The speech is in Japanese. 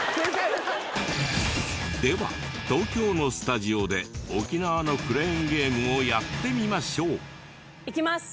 では東京のスタジオで沖縄のクレーンゲームをやってみましょう！いきます！